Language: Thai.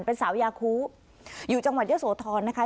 เป็นสาวยาคูอยู่จังหวัดเยอะโสธรนะคะ